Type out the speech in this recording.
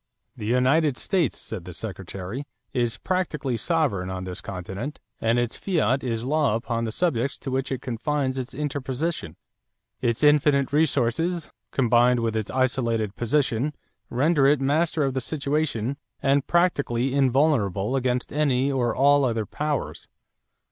"The United States," said the Secretary, "is practically sovereign on this continent and its fiat is law upon the subjects to which it confines its interposition.... Its infinite resources, combined with its isolated position, render it master of the situation and practically invulnerable against any or all other powers."